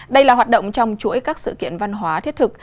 đây là hoạt động trong chuỗi các sự kiện văn hóa thiết thực